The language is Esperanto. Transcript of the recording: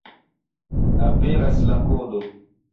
Aperas la kodo.